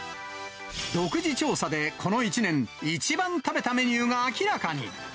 独自調査でこの１年、一番食べたメニューが明らかに。